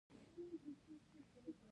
تېر کال ما څو ورځې رخصت واخیست.